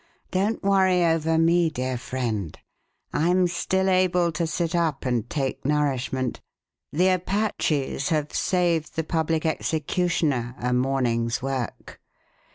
Don't worry over me, dear friend; I'm still able to sit up and take nourishment. The Apaches have saved the public executioner a morning's work.